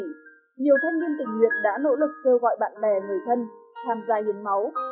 nhiều thanh niên tình nguyện đã nỗ lực kêu gọi bạn bè người thân tham gia hiến máu